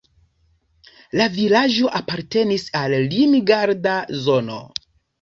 La vilaĝo apartenis al Limgarda zono.